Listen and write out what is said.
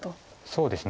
そうですね。